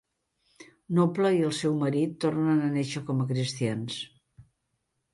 Noble i el seu marit tornen a néixer com a cristians.